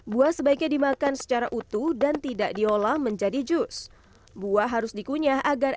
buah sebaiknya dimakan secara utuh dan tidak diolah menjadi jus buah harus dikunyah agar